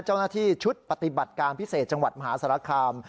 เจ้าหน้าที่ชุดปฏิบัติการพิเศษจังหวัดมหาสารคาม